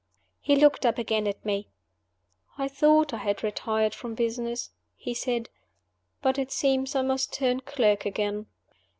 He looked up again at me. "I thought I had retired from business," he said; "but it seems I must turn clerk again.